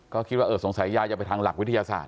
ก็คิดว่าสงสัยยาจะไปทางหลักวิทยาศาส